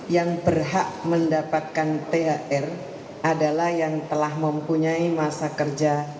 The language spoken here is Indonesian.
yang berhak mendapatkan thr adalah yang telah mempunyai masa kerja